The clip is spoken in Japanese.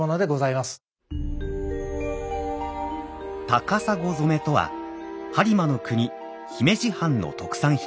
「高砂染」とは播磨国姫路藩の特産品です。